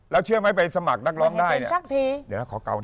แล้วเชื่อไหมไปสมัครนักร้องได้